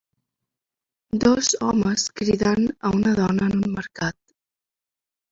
Dos homes cridant a una dona en un mercat.